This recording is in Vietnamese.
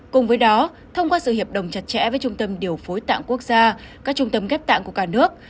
cùng với đó thông qua sự hiệp đồng chặt chẽ với trung tâm điều phối tạng quốc gia các trung tâm ghép tạng của cả nước